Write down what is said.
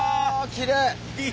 きれい！